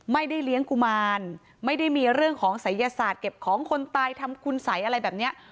ไม่ได้เลี้ยงกุมารไม่ได้มีเรื่องของศัยศาสตร์เก็บของคนตายทำคุณสัยอะไรแบบเนี้ย